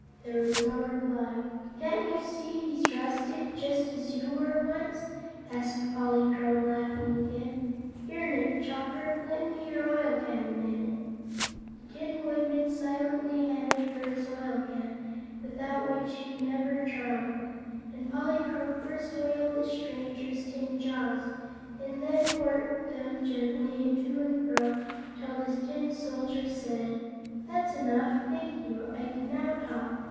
There was no reply "Can't you see he's rusted, just as you were once?" asked Polychrome, laughing again. "Here, Nick Chopper, lend me your oil can a minute!" The Tin Woodman silently handed her his oil can, without which he never traveled, and Polychrome first oiled the stranger's tin jaws and then worked them gently to and fro until the Tin Soldier said: "That's enough. Thank you. I can now talk.